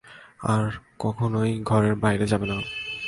আর কখনও বাড়ির বাইরে যাবে না!